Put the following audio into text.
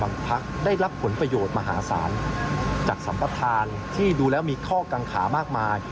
พักได้รับผลประโยชน์มหาศาลจากสัมประธานที่ดูแล้วมีข้อกังขามากมาย